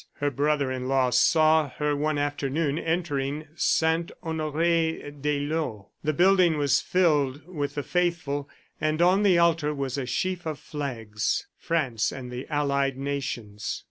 Her brother in law saw her one afternoon entering Saint Honoree d'Eylau. The building was filled with the faithful, and on the altar was a sheaf of flags France and the allied nations.